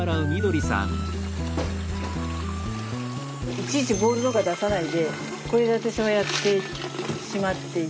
いちいちボウルとか出さないでこれで私はやってしまっていて。